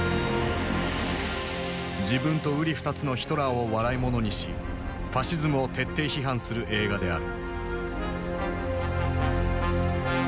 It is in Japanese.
自分とうり二つのヒトラーを笑いものにしファシズムを徹底批判する映画である。